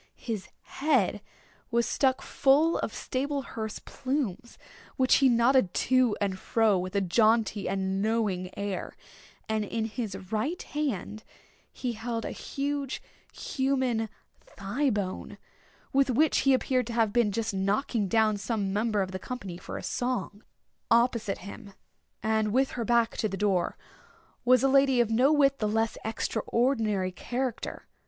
His head was stuck full of sable hearse plumes, which he nodded to and fro with a jaunty and knowing air; and, in his right hand, he held a huge human thigh bone, with which he appeared to have been just knocking down some member of the company for a song. Opposite him, and with her back to the door, was a lady of no whit the less extraordinary character.